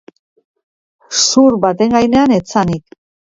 Zur baten gainean etzanik.